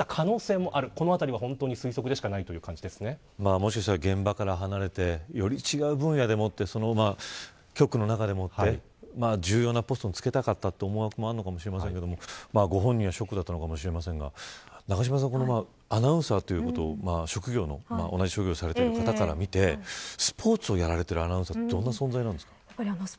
もしかしたら現場から離れてより違う分野でもって局の中でも重要なポストに就けたかったという思惑もあるかもしれませんがご本人はショックだったかもしれませんがアナウンサーという職業同じ職業の方から見てスポーツをやられているアナウンサーはどんな方なんですか。